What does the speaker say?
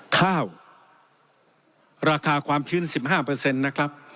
ข้าวราคาความชื้นสิบห้าเปอร์เซ็นต์นะครับ